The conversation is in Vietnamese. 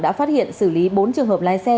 đã phát hiện xử lý bốn trường hợp lái xe